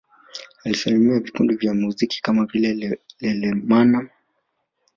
Alisimamia vikundi vya muziki kama vile Lelemama